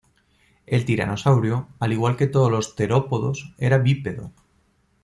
El tiranosaurio, al igual que todos los terópodos, era bípedo.